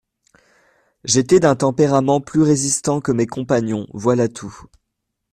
J’étais d’un tempérament plus résistant que mes compagnons, voilà tout.